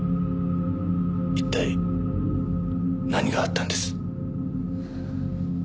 一体何があったんです？